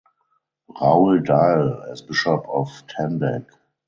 Raul Dael as Bishop of Tandag.